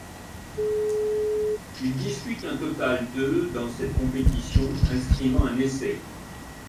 Il dispute un total de dans cette compétition, inscrivant un essai.